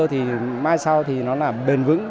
thì mai sau thì nó là bền vững